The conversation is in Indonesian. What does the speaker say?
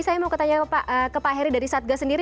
saya mau tanya ke pak heri dari satgas sendiri